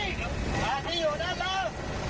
ที่อยู่ด้านล่างอยากท่าได้ยินเสียงผมเดียว